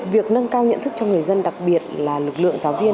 việc nâng cao nhận thức cho người dân đặc biệt là lực lượng giáo viên